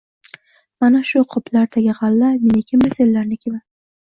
Mana shu qoplardagi g‘alla menikimi senlarnikimi